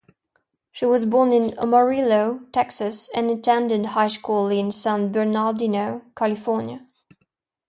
She was born in Amarillo, Texas, and attended high school in San Bernardino, California.